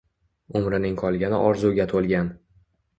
Umrining qolgani orzuga to‘lgan.